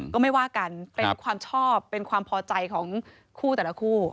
ก็ไม่ว่ากันเป็นความชอบเป็นความพอใจของคู่แต่ละคู่